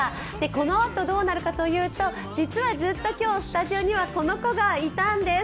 このあとどうなるかというと実はずっと今日、スタジオにはこの子がいたんです。